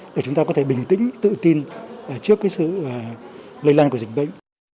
để chúng ta có thể bình tĩnh tự tin trước cái sự lây lan của dịch bệnh